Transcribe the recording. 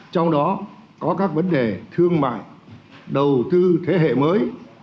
trong đó có các vấn đề thương mại đầu tư thế hệ mới